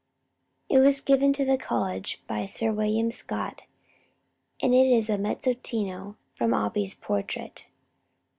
It was given to the College by Sir William Scott, and it is a mezzotinto from Opie's portrait.